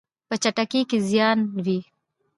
په چټکۍ کې زیان وي.